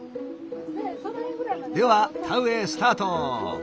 では田植えスタート！